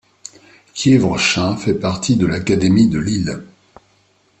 Quiévrchain fait partie de l'académie de Lille.